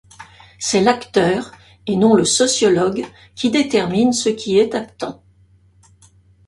C'est l'acteur - et non le sociologue - qui détermine ce qui est actant.